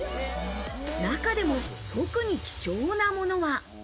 中でも、特に希少なものは。